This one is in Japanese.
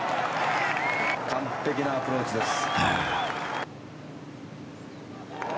完璧なアプローチです。